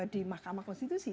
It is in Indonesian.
di mahkamah konstitusi